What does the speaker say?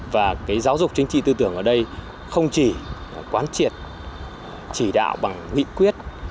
và giáo dục chính trị tư tưởng ở đây không chỉ quán triệt chỉ đạo bằng nghị quyết